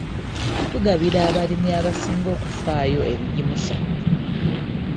Tugabira abalimi abasinga okufaayo ebigimusa.